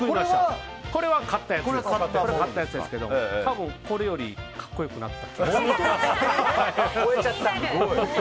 これは買ったやつですけど多分、これより超えちゃった。